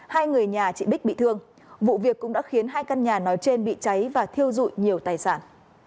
hai người nhà chị bích bị thương vụ việc cũng đã khiến hai căn nhà nói trên bị cháy và thiêu dụi nhiều tài sản